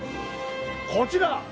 こちら！